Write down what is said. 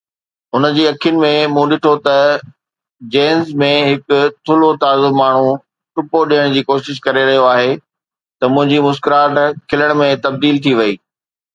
هن جي اکين ۾، مون ڏٺو ته جينز ۾ هڪ ٿلهو تازو ماڻهو ٽپو ڏيڻ جي ڪوشش ڪري رهيو آهي، ته منهنجي مسڪراهٽ کلڻ ۾ تبديل ٿي وئي.